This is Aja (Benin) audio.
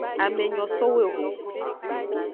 Ame nyo sowu eho.